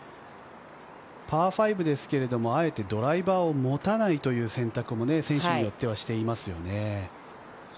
パー５ですけれども、あえてドライバーを持たないという選択も選手によってはしていますよね。